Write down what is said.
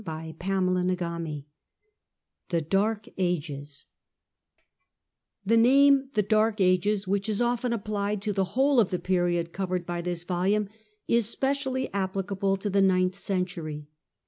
CHAPTEE XXV THE DARK AGES rpHE name " the Dark Ages," which is often applied to the whole of the period covered by this volume, is specially applicable to the ninth century.